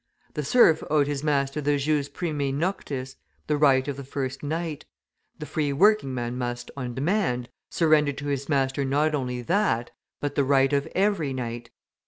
The serf owed his master the jus primae noctis, the right of the first night the free working man must, on demand, surrender to his master not only that, but the right of every night.